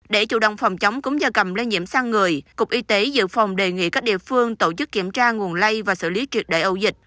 để chủ động phòng chống cúm da cầm lây nhiễm sang người cục y tế dự phòng đề nghị các địa phương tổ chức kiểm tra nguồn lây và xử lý truyệt đại ẩu dịch